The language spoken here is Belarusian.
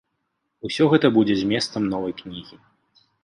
Усё гэта будзе зместам новай кнігі.